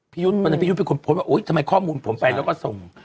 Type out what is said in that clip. พี่ยุ่นเป็นคนโพสต์ว่าอุ้ยทำไมข้อมูลผมไปแล้วก็ส่ง